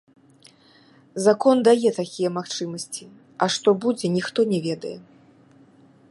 Закон дае такія магчымасці, а што будзе, ніхто не ведае.